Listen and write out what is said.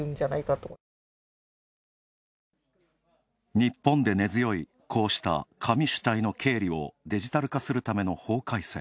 日本で根強い、こうした紙主体の経理をデジタル化するための法改正。